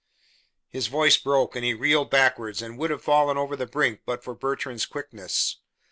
His voice broke and he reeled backward and would have fallen over the brink but for Bertrand's quickness.